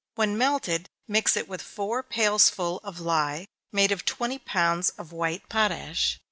When melted, mix it with four pailsful of lye, made of twenty pounds of white potash.